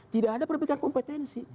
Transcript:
tidak ada pendapatan kompetensi